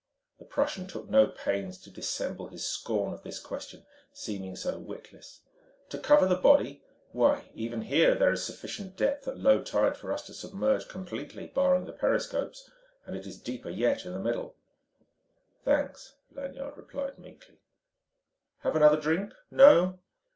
The Prussian took no pains to dissemble his scorn of this question, seemingly so witless. "To cover the body? Why, even here there is sufficient depth at low tide for us to submerge completely, barring the periscopes. And it is deeper yet in the middle." "Thanks," Lanyard replied meekly. "Have another drink? No?"